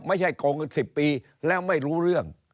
โกงกัน๑๐ปีแล้วไม่รู้เรื่อง